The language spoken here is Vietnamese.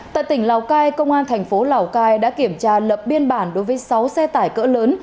tại tỉnh lào cai công an thành phố lào cai đã kiểm tra lập biên bản đối với sáu xe tải cỡ lớn